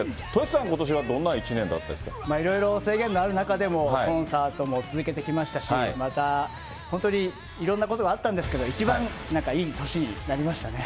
Ｔｏｓｈｌさん、ことしはどんないろいろ制限のある中でも、コンサートも続けてきましたし、また本当にいろんなことがあったんですけど、一番、なんかいい年になりましたね。